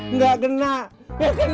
nggak kena nggak kenalan